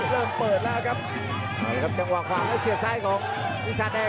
เขายามมาจับให้เขาซ้าย